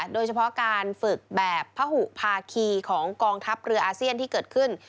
โดยเฉพาะการฝึกแบบพระหุภาคีของกองทัพเรืออาเซียนที่เกิดขึ้น